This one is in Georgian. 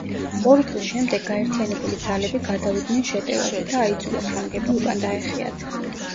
ორი დღის შემდეგ გაერთიანებული ძალები გადავიდნენ შეტევაზე და აიძულა ფრანგები უკან დაეხიათ.